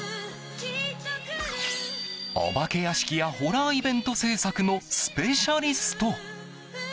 お化け屋敷やホラーイベント制作のスペシャリスト。